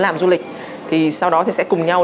làm du lịch thì sau đó thì sẽ cùng nhau